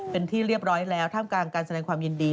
เป็นที่เรียบร้อยแล้วท่ามกลางการแสดงความยินดี